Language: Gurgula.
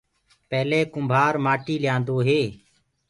پيلي ڪُنڀآ ڪآٽيٚ ليآندو هي۔